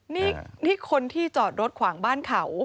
นี่คนที่จอดรถขวางบ้านเขา